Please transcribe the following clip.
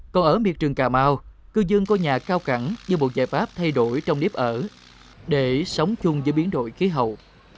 còn ở miệt trường cà mau cư dân có nhà cao cẳng như một giải pháp thay đổi trong điếp ở để sống chung với biến đổi khí hậu